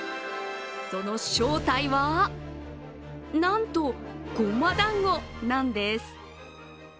その正体はなんと、ごま団子なんです。